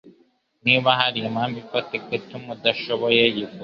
Niba hari impamvu ifatika ituma udashoboye yivuge